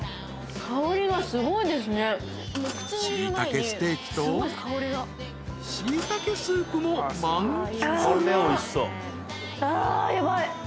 ［しいたけステーキとしいたけスープも満喫］